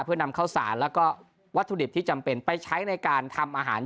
เพื่อนำข้าวสารแล้วก็วัตถุดิบที่จำเป็นไปใช้ในการทำอาหาร